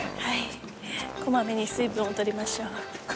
小まめに水分を取りましょう。